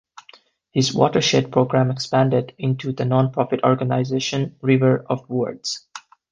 His watershed program expanded into the non-profit organization River of Words.